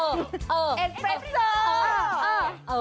เออเออเอิฟเฟสเซอร์